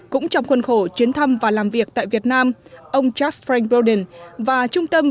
cũng trong khuôn khổ chuyến thăm và làm việc tại việt nam ông jas frank broden và trung tâm